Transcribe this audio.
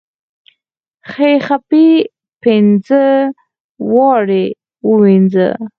خۍ خپه دې پينزه وارې ووينزه.